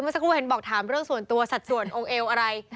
เธอเคยบอกถามเรื่องส่วนตัวสัดส่วนองค์เอวอะไร